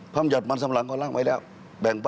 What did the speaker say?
พร้อมหยัดมันสำหรังก็ล่างไว้แล้ว